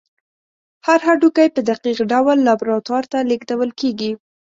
هر هډوکی په دقیق ډول لابراتوار ته لیږدول کېږي.